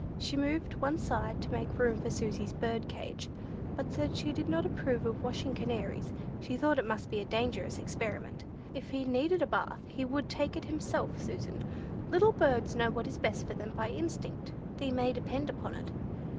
She moved one side to make room for Susy's bird cage, but said she did not approve of washing canaries; she thought it must be a dangerous experiment. "If he needed a bath, he would take it himself, Susan. Little birds know what is best for them by instinct, thee may depend upon it."